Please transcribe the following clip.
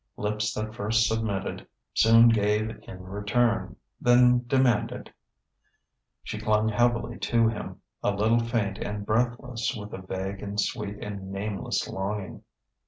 Lips that first submitted, soon gave in return, then demanded.... She clung heavily to him, a little faint and breathless with a vague and sweet and nameless longing....